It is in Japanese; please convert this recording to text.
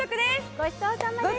ごちそうさまでした！